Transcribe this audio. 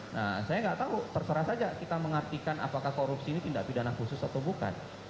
nah saya nggak tahu terserah saja kita mengartikan apakah korupsi ini tindak pidana khusus atau bukan